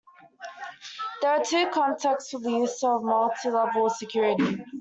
There are two contexts for the use of Multilevel Security.